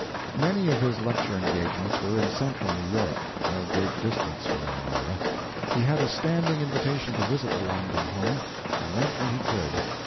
Many of his lecture engagements were in central New York, no great distance from Elmira. He had a standing invitation to visit the Langdon home, and went when he could.